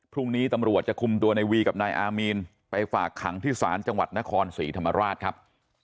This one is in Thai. พรุ่งนี้ตำรวจจะคุมตัวในวีกับนายอามีนไปฝากขังที่ศาลจังหวัดนครศรีธรรมราชครับ